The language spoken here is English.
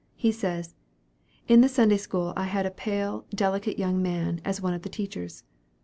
He says, "In the Sunday school I had a pale, delicate young man as one of the teachers.